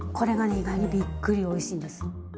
意外にびっくりおいしいんです。